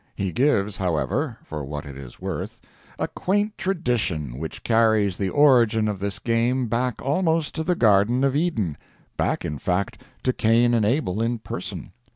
He gives, however, for what it is worth, a quaint tradition which carries the origin of this game back almost to the garden of Eden—back, in fact, to Cain and Abel in person.